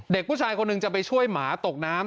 เด็กผู้ชายคนหนึ่งจะไปช่วยหมาตกน้ำ